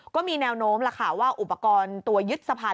ก็มีแนวโน้มล่ะค่ะว่าอุปกรณ์ตัวยึดสะพาน